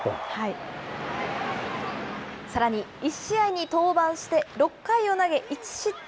さらに１試合に登板して、６回を投げ１失点。